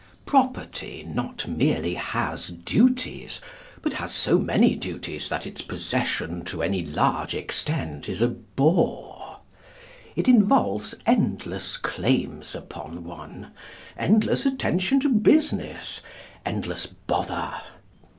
Property not merely has duties, but has so many duties that its possession to any large extent is a bore. It involves endless claims upon one, endless attention to business, endless bother.